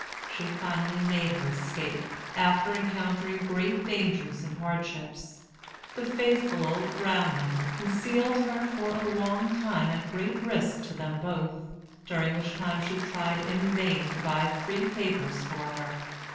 She finally made her escape, after encountering great dangers and hardships. The faithful old grandmother concealed her for a long time at great risk to them both, during which time she tried in vain to buy free papers for her.